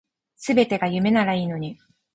全てが夢ならいいのに